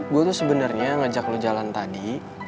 gue tuh sebenarnya ngajak lo jalan tadi